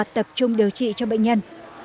tập trung điều trị cho bệnh nhân